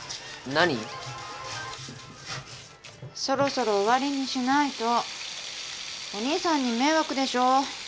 そろそろ終わりにしないとお兄さんに迷惑でしょ。